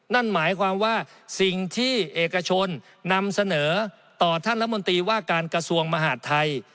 นั่นหมายความว่าสิ่งที่เอกชนนำเสนอต่อท่านรัฐมนตรีว่าการกระทรวงมหาดไทย